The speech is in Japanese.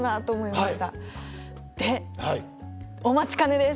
でお待ちかねです！